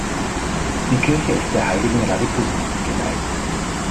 Die Kirche ist der heiligen Radegundis geweiht.